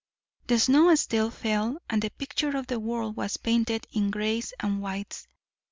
The snow still fell, and the picture of the world was painted in grays and whites.